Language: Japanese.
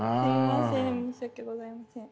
申し訳ございません。